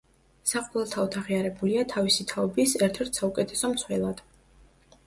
საყოველთაოდ აღიარებულია თავისი თაობის ერთ-ერთ საუკეთესო მცველად.